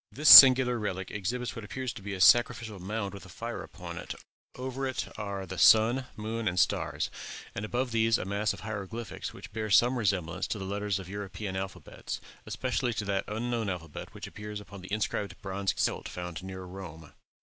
This singular relic exhibits what appears to be a sacrificial mound with a fire upon it; over it are the sun, moon, and stars, and above these a mass of hieroglyphics which bear some resemblance to the letters of European alphabets, and especially to that unknown alphabet which appears upon the inscribed bronze celt found near Rome.